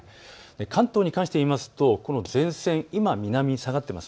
関東に関して言いますと、この前線、今、南に下がっています。